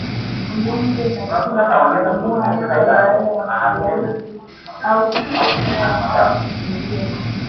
Unyonge na shida ya kupumua hasa baada ya mazoezi au kutembea au kukimbia